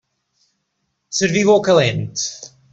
Serviu-ho calent.